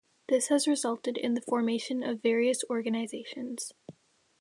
This has resulted in the formation of various organizations.